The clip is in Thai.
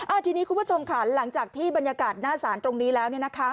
อาทินี้คุณผู้ชมค่ะหลังจากที่บรรยากาศหน้าสารตรงนี้แล้ว